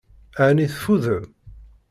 Ɛni tfudem?